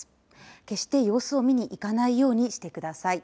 決して様子を見に行かないようにしてください。